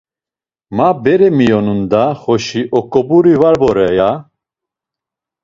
Ma bere miyonun da xoşi aǩop̌uri var vore, ya.